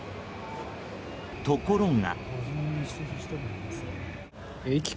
ところが。